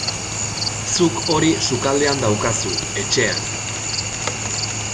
Zuk hori sukaldean daukazu, etxean.